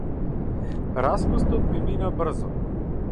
Распустот ми мина брзо.